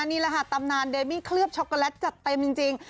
นี่แหละค่ะตำนานเดมี่เคลือบช็อกโกแลตจัดเต็มจริง